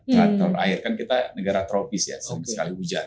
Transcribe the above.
kan terakhir kan kita negara tropis ya kalau misalnya hujan